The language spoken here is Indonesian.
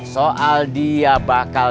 soal dia bakal